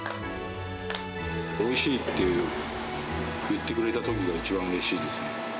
おいしいって言ってくれたときが、一番うれしいですね。